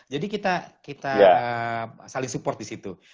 jadi kita saling support di situ